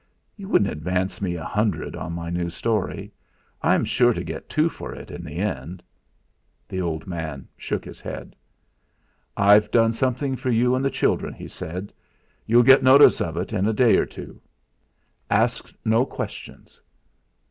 You wouldn't advance me a hundred on my new story? I'm sure to get two for it in the end." The old man shook his head. "I've done something for you and the children," he said. "You'll get notice of it in a day or two; ask no questions."